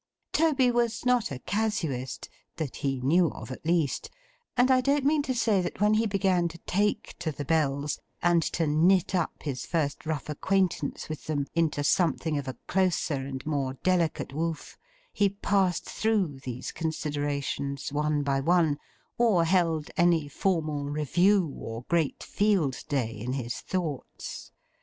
Toby was not a casuist—that he knew of, at least—and I don't mean to say that when he began to take to the Bells, and to knit up his first rough acquaintance with them into something of a closer and more delicate woof, he passed through these considerations one by one, or held any formal review or great field day in his thoughts.